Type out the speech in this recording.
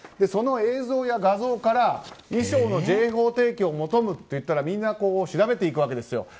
その映像や画像から衣装の情報提供を求むといったらみんな調べていくわけですよ。